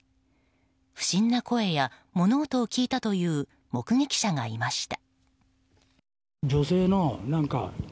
不審な声や物音を聞いたという目撃者がいました。